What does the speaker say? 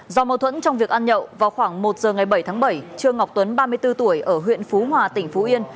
do mâu thuẫn trong việc ăn nhậu vào khoảng một giờ ngày bảy tháng bảy trương ngọc tuấn ba mươi bốn tuổi ở huyện phú hòa tỉnh phú yên